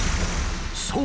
そう。